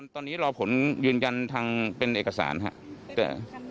ตอนนี้รอผลยืนยันทางเป็นเอกสารครับ